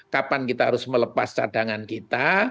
kapan kita harus melepas cadangan kita